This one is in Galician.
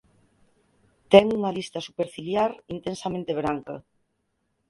Ten unha lista superciliar intensamente branca.